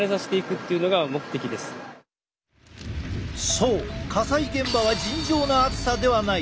そう火災現場は尋常な暑さではない。